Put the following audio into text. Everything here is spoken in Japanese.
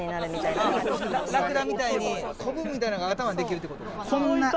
ラクダみたいにコブみたいなのが頭にできるってことか。